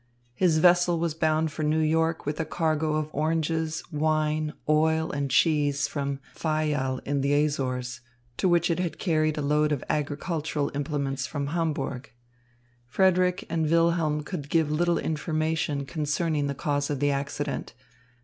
His vessel was bound for New York with a cargo of oranges, wine, oil, and cheese from Fayal in the Azores, to which it had carried a load of agricultural implements from Hamburg. Frederick and Wilhelm could give little information concerning the cause of the accident.